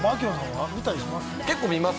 結構見たりします。